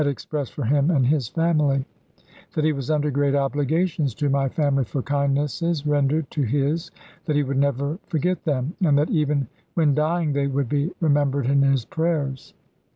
v. expressed for him and his family; that he was under great obligations to my family for kindnesses rendered to his, that he would never forget them, and that even when dying they would be remem Report, bered in his prayers.